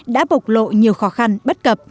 đã bộc lộ nhiều khó khăn bất cập